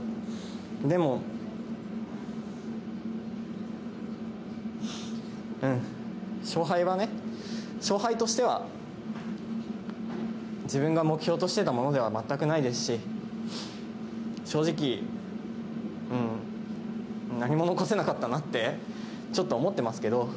でも、うん、勝敗はね、勝敗としては、自分が目標としてたものでは全くないですし、正直、何も残せなかったなって、ちょっと思ってますけど。